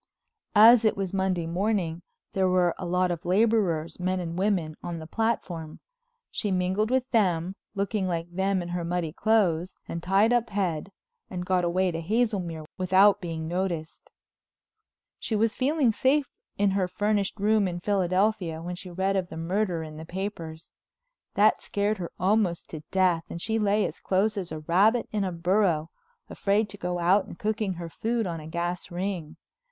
As it was Monday morning there were a lot of laborers, men and women, on the platform. She mingled with them, looking like them in her muddy clothes and tied up head, and got away to Hazelmere without being noticed. She was feeling safe in her furnished room in Philadelphia when she read of the murder in the papers. That scared her almost to death and she lay as close as a rabbit in a burrow, afraid to go out and cooking her food on a gas ring.